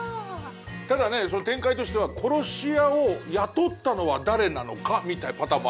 ただね展開としては殺し屋を雇ったのは誰なのかみたいなパターンもあるもんね？